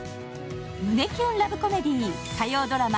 胸キュンラブコメディー火曜ドラマ